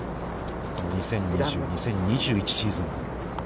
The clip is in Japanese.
この２０２０、２０２１シーズン。